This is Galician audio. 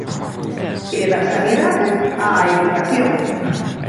E da sanidade, á educación.